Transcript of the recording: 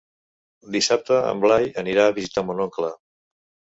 Dissabte en Blai anirà a visitar mon oncle.